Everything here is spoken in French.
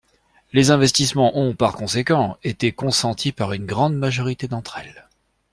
Les investissements ont, par conséquent, été consentis par une grande majorité d’entre elles.